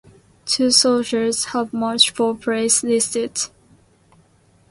Two soldiers have multiple places listed.